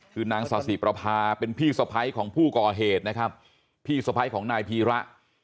คือนางสาธิประพาเป็นพี่สะพ้ายของผู้ก่อเหตุนะครับพี่สะพ้ายของนายพีระ